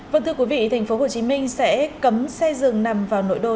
vâng thưa quý vị thành phố hồ chí minh sẽ cấm xe rừng nằm vào nội đô